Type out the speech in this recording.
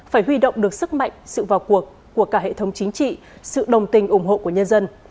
phải huy động được sức mạnh sự vào cuộc của cả hệ thống chính trị sự đồng tình ủng hộ của nhân dân